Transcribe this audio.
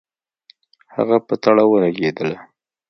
هغه په تړه ولګېدله.